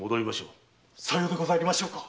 さようでございましょうか。